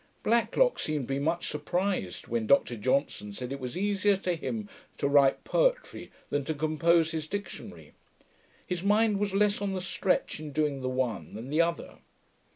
Blacklock seemed to be much surprised, when Dr Johnson said, 'it was easier to him to write poetry than to compose his Dictionary. His mind was less on the stretch in doing the one than the other.